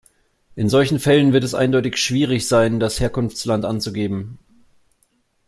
In solchen Fällen wird es eindeutig schwierig sein, das Herkunftsland anzugeben.